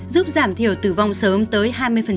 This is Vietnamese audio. giúp giảm thiểu tử vong sớm tới hai mươi